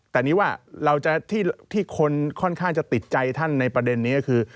แต่นี่ว่าที่คนค่อนข้างจะติดใจท่านในประเด็นนี้ก็คือ